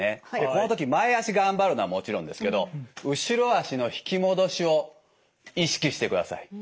この時前足頑張るのはもちろんですけど後ろ足の引き戻しを意識してください。